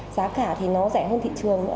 giá cả thì nó rẻ hơn thị trường nữa